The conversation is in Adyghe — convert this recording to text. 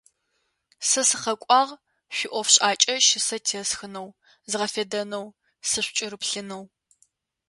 Сэ сыкъэкӏуагъ шъуиӏофшӏакӏэ щысэ тесхынэу, згъэфедэнэу, сышъукӏырыплъынэу.